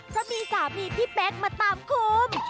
เพราะมีสามีพี่เป๊กมาตามคุม